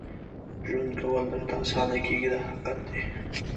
ژوند کول درته اسانه کېږي دا حقیقت دی.